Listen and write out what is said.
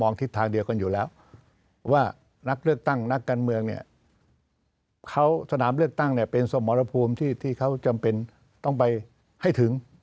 ตอนนี้มาพูดถึงการเข้าสู่อำมาตย์รัฐ